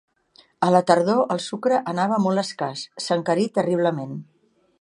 A la tardor el sucre anava molt escàs; s'encarí terriblement.